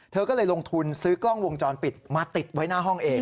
เธอก็เลยลงทุนซื้อกล้องวงจรปิดมาติดไว้หน้าห้องเอง